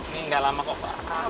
ini nggak lama kok pak